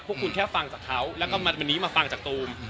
พวกคุณแค่ฟังจากเขาแล้วก็วันนี้มาฟังจากตูม